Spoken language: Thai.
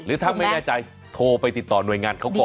ถ้าไม่แน่ใจโทรไปติดต่อหน่วยงานเขาก่อน